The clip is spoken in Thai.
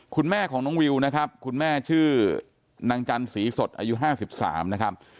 คุณแม่ของน้องวิวนะครับคุณแม่ชื่อนางจันสีสดอายุ๕๓นะครับ